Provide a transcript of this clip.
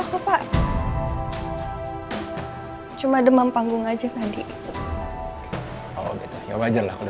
tadi pada saat di panggung mbak elsa kelihatannya k gordet banget ya